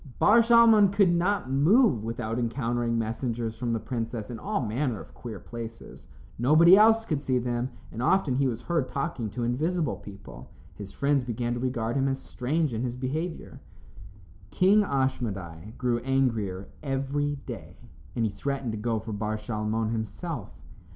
Bar Shalmon could not move without encountering messengers from the princess in all manner of queer places. Nobody else could see them, and often he was heard talking to invisible people. His friends began to regard him as strange in his behavior. King Ashmedai grew angrier every day, and he threatened to go for Bar Shalmon himself.